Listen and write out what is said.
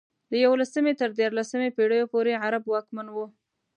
د یولسمې تر دیارلسمې پېړیو پورې عرب واکمن وو.